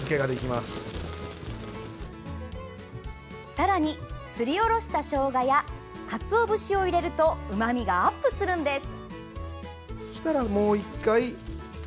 さらにすりおろしたしょうがやかつお節を入れるとうまみがアップするんです。